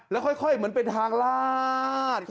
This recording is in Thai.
แล้วค่อยเหมือนเป็นทางลาด